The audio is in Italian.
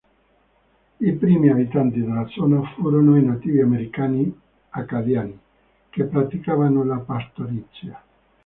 I primi abitanti della zona furono i nativi americani Acadiani, che praticavano la pastorizia.